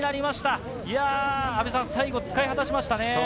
最後、使い果たしましたね。